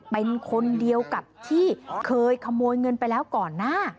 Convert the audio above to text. เป็นคนเดียวกับที่เคยขโมยเงินไปแล้วก่อนหน้า